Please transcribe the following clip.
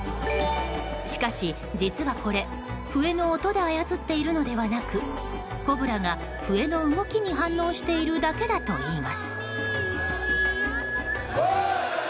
しかし、実はこれ笛の音で操っているのではなくコブラが笛の動きに反応しているだけだといいます。